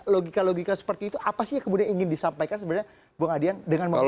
logika logika seperti itu apa sih yang kemudian ingin disampaikan sebenarnya bung adian dengan metode